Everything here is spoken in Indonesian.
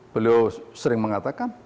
beliau sering mengatakan